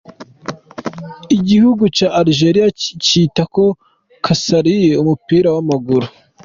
Igihugu ca Algeria ciyita ko casariye umupira w'amaguru.